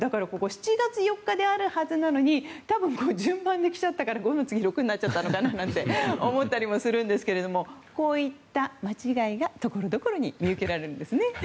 ７月４日であるはずなのに順番できちゃったから５の次、６になっちゃったのかななんて思ったりもするんですがこういった間違いがところどころに見受けられるんですね。